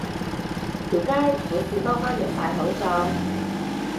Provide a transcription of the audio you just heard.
條街好似多返人戴口罩